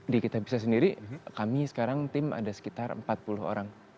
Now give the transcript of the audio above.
di kitabisa sendiri kami sekarang tim ada sekitar empat puluh orang